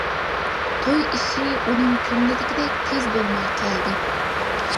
توي ئىشى ئۇنىڭ كۆڭلىدىكىدەك تىز بولماي قالدى.